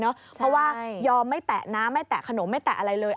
เพราะว่ายอมไม่แตะน้ำไม่แตะขนมไม่แตะอะไรเลย